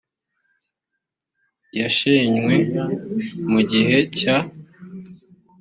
yashenywe mu gihe cya